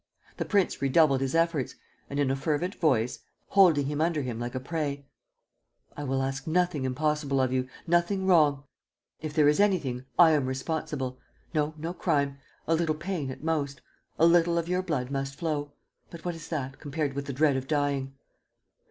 The prince redoubled his efforts and, in a fervent voice, holding him under him like a prey: "I will ask nothing impossible of you, nothing wrong. ... If there is anything, I am responsible. ... No, no crime ... a little pain at most. ... A little of your blood must flow. But what is that, compared with the dread of dying?"